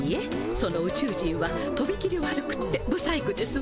その宇宙人はとび切り悪くってブサイクですわ。